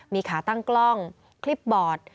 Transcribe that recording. มีขาตั้งกล้องคลิปบอร์ด